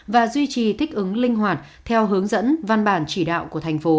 và duy trì thích ứng linh hoạt theo hướng dẫn văn bản chỉ đạo của thành phố